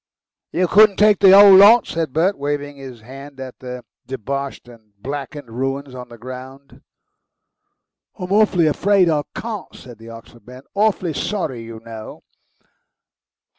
"You couldn't take the whole lot?" said Bert, waving his hand at the deboshed and blackened ruins on the ground. "I'm awfully afraid I can't," said the Oxford man. "Awfully sorry, you know."